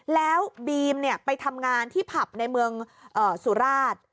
แล้วบีมไปทำงานที่ผับในเมืองสุราช